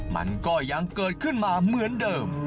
มันก็ยังเกิดขึ้นมาเหมือนเดิม